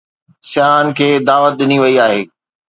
سياحن کي دعوت ڏني وئي آهي